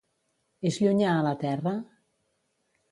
És llunyà a la Terra?